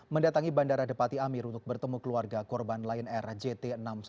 mendatangi bandara depati amir untuk bertemu keluarga korban lion air jt enam ratus sepuluh